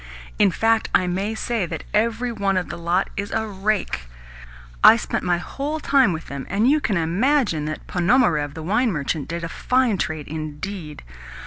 In fact, I may say that every one of the lot is a rake. I spent my whole time with them, and you can imagine that Ponomarev, the wine merchant, did a fine trade indeed!